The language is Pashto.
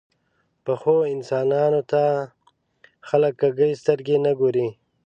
پخو انسانانو ته خلک کږې سترګې نه ګوري